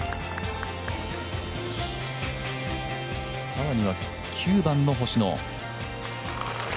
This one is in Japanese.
更には９番の星野。